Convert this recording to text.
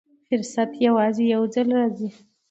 فرصت یوازې یو ځل راځي.